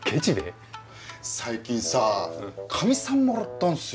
最近さカミさんもらったんっすよ。